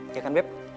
iya kan beb